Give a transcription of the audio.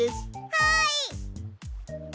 はい！